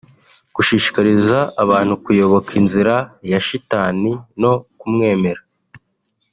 gushishikariza abantu kuyoboka inzira ya shitani no kumwemera